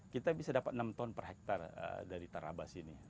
kita bisa dapat enam ton per hektare dari tarabas ini